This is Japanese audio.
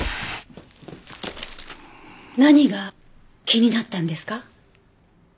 何が気になったんですか？